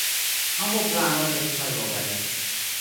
Ambaŭ planoj estis allogaj.